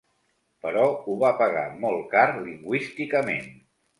Però ho va pagar molt car lingüísticament.